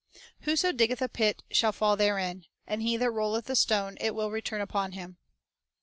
"Whoso diggeth a pit shall fall therein; and he that rolleth a stone, it will return upon him."